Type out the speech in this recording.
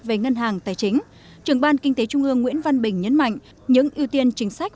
về ngân hàng tài chính trưởng ban kinh tế trung ương nguyễn văn bình nhấn mạnh những ưu tiên chính sách